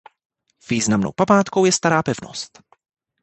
Významnou památkou je Stará pevnost.